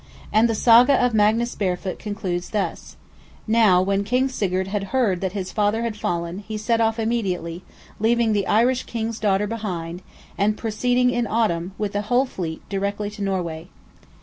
And the Saga of Magnus Barefoot concludes thus: "Now when King Sigurd heard that his father had fallen, he set off immediately, leaving the Irish King's daughter behind, and proceeded in autumn, with the whole fleet directly to Norway."